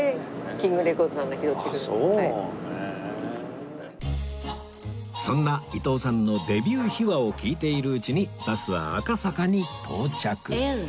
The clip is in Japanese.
へえー！という事でそんな伊東さんのデビュー秘話を聞いているうちにバスは赤坂に到着